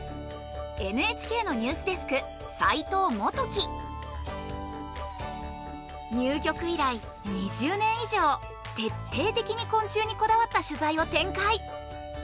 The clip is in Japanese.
ＮＨＫのニュースデスク入局以来２０年以上徹底的に昆虫にこだわった取材を展開。